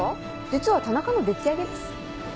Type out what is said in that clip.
実は田中のでっち上げです。